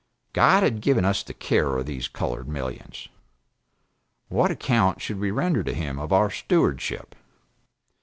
] God had given us the care of these colored millions. What account should we render to Him of our stewardship?